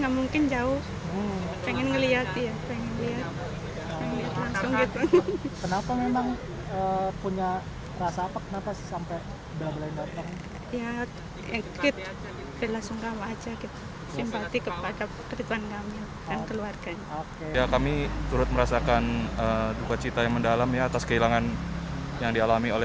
mahal sebesar howo